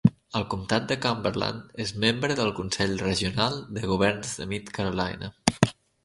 El comptat de Cumberland és membre del Consell Regional de governs de Mid-Carolina.